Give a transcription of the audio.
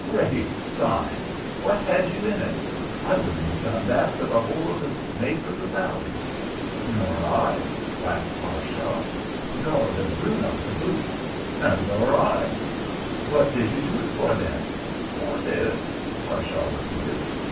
Great Sign! What had you in it? I wouldn't have done that for the whole of the Snake River valley." "Nor I," laughed Harshaw. "Nor the Bruneau to boot." "Nor I." "What did you do it for, then?" "For this," Harshaw repeated.